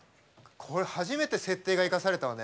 初めて設定が生かされたわね。